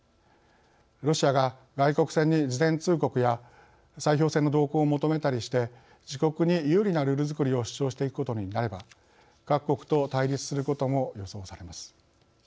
ロシアが外国船に事前通告や砕氷船の同行を求めたりして自国に有利なルールづくりを主張していくことになれば各国と対立することも予想されます。